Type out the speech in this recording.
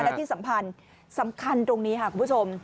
และที่สำคัญสำคัญตรงนี้ค่ะคุณผู้ชม